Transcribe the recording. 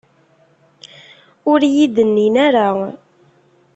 Ur iyi-d-nnin ara.